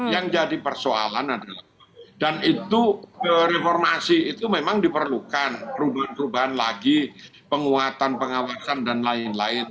yang jadi persoalan adalah dan itu reformasi itu memang diperlukan perubahan perubahan lagi penguatan pengawasan dan lain lain